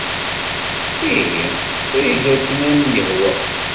Ihi eg akken ay am-yehwa.